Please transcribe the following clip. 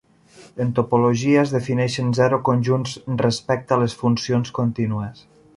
En topologia, es defineixen zero conjunts respecte a les funcions contínues.